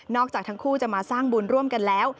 จากทั้งคู่จะมาสร้างบุญร่วมกันแล้ว